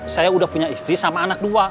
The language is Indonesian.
saya udah punya istri sama anak dua